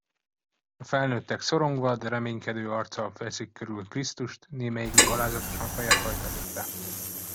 A felnőttek szorongva, de reménykedő arccal veszik körül Krisztust, némelyikük alázatosan fejet hajt előtte.